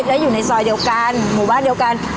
แล้วอยู่ในซอยเดียวกันหมู่บ้านเดียวกัน